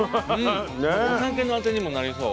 お酒のあてにもなりそう。